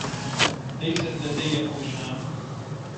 ليست لديّ أوشام.